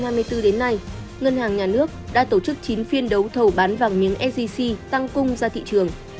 năm hai nghìn hai mươi bốn đến nay ngân hàng nhà nước đã tổ chức chín phiên đấu thầu bán vàng miếng sgc tăng cung ra thị trường